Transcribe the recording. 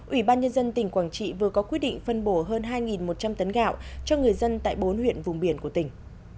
ủy ban nhân dân tỉnh quảng trị vừa có quyết định phân bổ hơn hai một trăm linh tấn gạo cho người dân tại bốn huyện vùng biển của tỉnh